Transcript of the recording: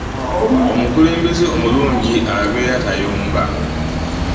omukulembeze omulungi abeera tayomba